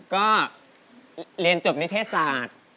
ก็เรียนจบนิเทศศาสตร์